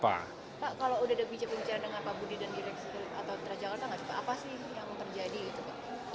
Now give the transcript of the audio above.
pak kalau udah ada bicaranya dengan pak budi dan direksi atau trajakarta apa sih yang terjadi